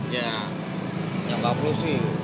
ya nyokap lu sih